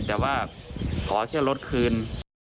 แต่ว่าขอเชื่อรถคืน